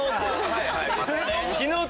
はいはい。